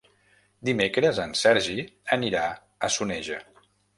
Dimecres en Sergi anirà a Soneja.